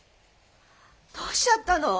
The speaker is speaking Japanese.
どうしちゃったの？